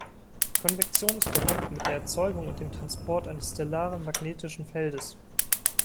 Konvektion ist verbunden mit der Erzeugung und dem Transport eines stellaren magnetischen Feldes.